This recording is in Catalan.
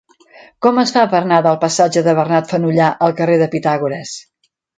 Com es fa per anar del passatge de Bernat Fenollar al carrer de Pitàgores?